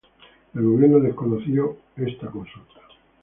El gobierno desconoció esta consulta.